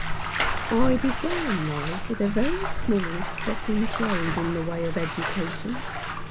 I BEGAN life with a very small stock in trade in the way of education.